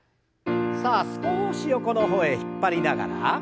さあ少し横の方へ引っ張りながら。